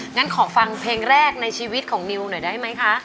งั้นขอฟังเพลงแรกในชีวิตของนิวหน่อยได้ไหมคะ